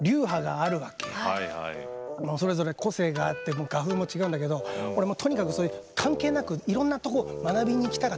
それぞれ個性があって画風も違うんだけど俺もうとにかくそういう関係なくいろんなとこ学びに行きたかったから。